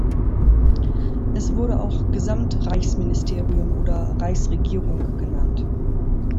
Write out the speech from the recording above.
Es wurde auch Gesamt-Reichsministerium oder Reichsregierung genannt.